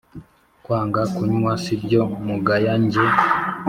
Kwanga kunywa si ibyo mugaya njye